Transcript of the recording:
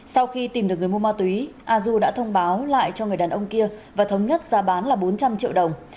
sau khi tìm được người mua ma túy a du đã thông báo lại cho người đàn ông kia và thống nhất giá bán là bốn trăm linh triệu đồng